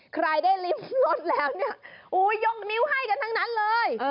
ใครได้ลิ้มลดแล้วย่งนิ้วให้กันทั้งนั้นเลย